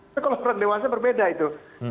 tapi kalau orang dewasa berbeda itu